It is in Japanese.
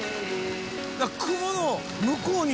雲の向こうに。